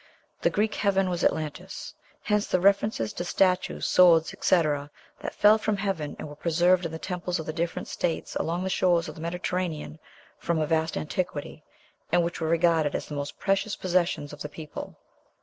The Greek heaven was Atlantis. Hence the references to statues, swords, etc., that fell from heaven, and were preserved in the temples of the different states along the shores of the Mediterranean from a vast antiquity, and which were regarded as the most precious possessions of the people.